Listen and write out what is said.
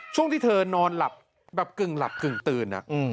ช่วงที่เธอนอนหลับแบบกึ่งหลับกึ่งตื่น